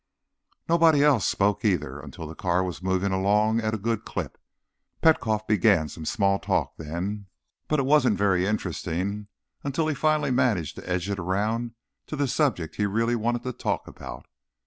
Nobody else spoke, either, until the car was moving along at a good clip. Petkoff began some small talk then, but it wasn't very interesting until he finally managed to edge it around to the subject he really wanted to talk about.